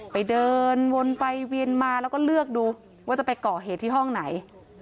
เดินวนไปเวียนมาแล้วก็เลือกดูว่าจะไปก่อเหตุที่ห้องไหน